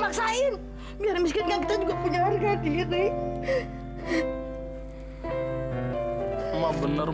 masukin dulu pakai minyak minyak tadi loh